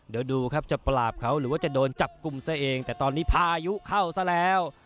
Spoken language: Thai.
เดี๋ยวดูครับจะปราบเขาหรือว่าจะโดนจับกลุ่มซะเองแต่ตอนนี้พายุเข้าซะแล้ว